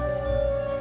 semoga berhasil putri